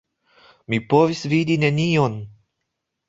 Mi povis vidi nenion.